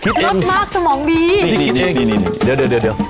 นี่นี่นี่นี่เดี๋ยว